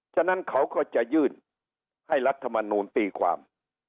ฉะนั้นเขาก็จะยื่นให้รัฐมนูลตีความ